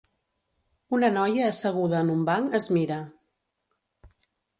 Una noia asseguda en un banc es mira.